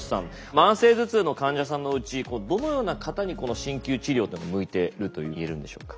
慢性頭痛の患者さんのうちどのような方にこの鍼灸治療というのが向いてると言えるんでしょうか。